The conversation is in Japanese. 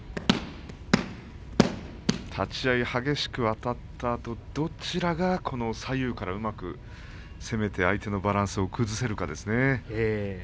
立ち合い激しくあたったあと、どちらが左右からうまく攻めて相手のバランスを崩せるかですね。